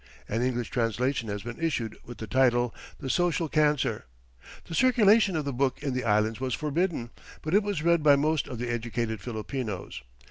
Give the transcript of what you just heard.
An English translation has been issued with the title, "The Social Cancer." The circulation of the book in the Islands was forbidden, but it was read by most of the educated Filipinos.